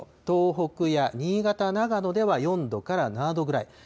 東北や新潟、長野では４度から７度ぐらい。